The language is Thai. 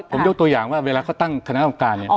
ผมยกตัวอย่างว่าเวลาเขาตั้งคณะกรรมการเนี่ย